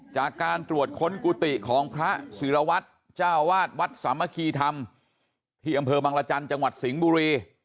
จากการตรวจค้นกุฏิของพระศิรวัตรเจ้าวาดวัดสามัคคีธรรมที่อำเภอบังรจันทร์จังหวัดสิงห์บุรี